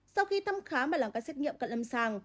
sau khi tâm khám và làm các xét nghiệm cận lâm sàng